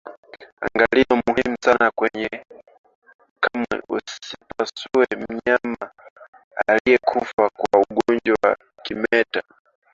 Angalizo muhimu sana kamwe usipasue mnyama aliyekufa kwa ugonjwa wa kimeta